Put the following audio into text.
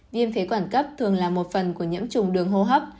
viêm phế quản cấp thường là một phần của nhiễm trùng đường hô hấp